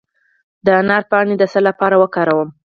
د انار پاڼې د څه لپاره وکاروم؟